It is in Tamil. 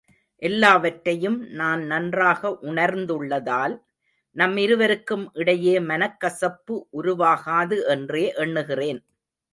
எல்லாவற்றையும் நான் நன்றாக உணர்ந்துள்ளதால், நம் இருவருக்கும் இடையே மனக்கசப்பு உருவாகாது என்றே எண்ணுகிறேன்.